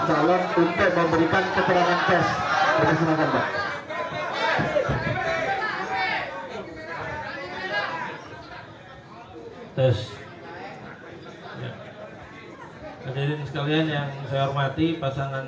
tolong untuk memberikan keterangan tes tes ke diri sekalian yang saya hormati pasangan